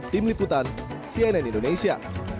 tim liputan cnn indonesia